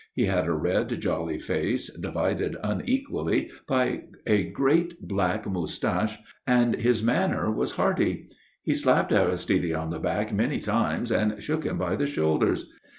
He had a red, jolly face, divided unequally by a great black moustache, and his manner was hearty. He slapped Aristide on the back many times and shook him by the shoulders.